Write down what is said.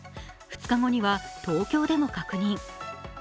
２日後には東京でも確認。